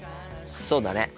そうだね。